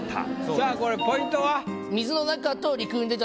さあこれポイントは？